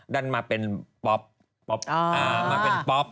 ดันมาเป็นป๊อป